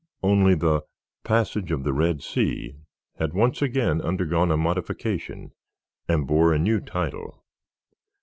Only the "Passage of the Red Sea" had once again undergone a modification and bore a new title.